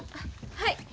はい。